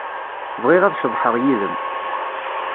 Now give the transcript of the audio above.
Bɣiɣ ad ceḍḥeɣ yid-m.